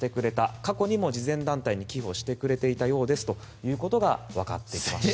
過去にも慈善団体に寄付をしてくれていたようですということが分かってきました。